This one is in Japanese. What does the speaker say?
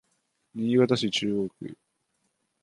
新潟市中央区